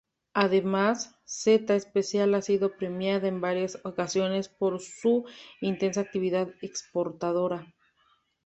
Además, Zeta Espacial ha sido premiada en varias ocasiones por su intensa actividad exportadora.